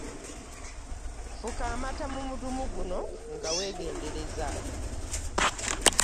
Fuka amata mu mudumu guno, nga weegendereza.